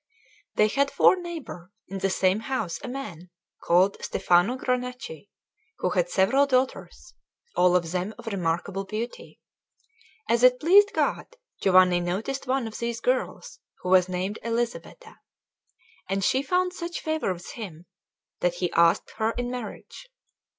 They had for neighbour in the next house a man called Stefano Granacci, who had several daughters, all of them of remarkable beauty. As it pleased God, Giovanni noticed one of these girls who was named Elisabetta; and she found such favour with him that he asked her in marriage.